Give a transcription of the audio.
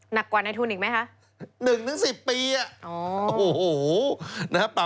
หนักกว่าในทุนอีกไหมคะ